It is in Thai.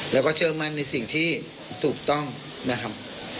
แล้วก็เชื่อมั่นในสิ่งที่ถูกต้องนะครับ